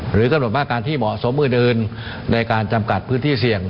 กำหนดมาตรการที่เหมาะสมอื่นในการจำกัดพื้นที่เสี่ยง